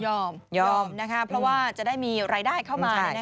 ยอมนะคะเพราะว่าจะได้มีรายได้เข้ามา